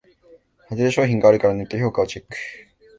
ハズレ商品があるからネット評価をチェック